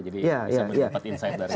jadi bisa mendapat insight dari dia